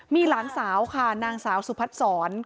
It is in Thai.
มีหลานสาวค่ะนางสาวสุพัฒนศร